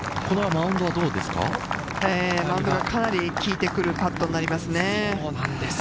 マウンドがかなり効いてくるパットになりますね。